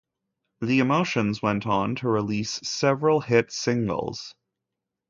The Emotions went on to release several hit singles.